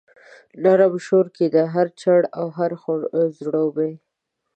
نرم شور کښي دی هر چړ او هر ځړوبی